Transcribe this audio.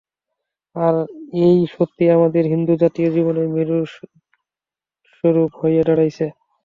আর এই সত্যই আমাদের হিন্দুর জাতীয় জীবনের মেরুদণ্ডস্বরূপ হইয়া দাঁড়াইয়াছে।